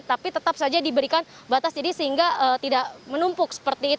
tapi tetap saja diberikan batas jadi sehingga tidak menumpuk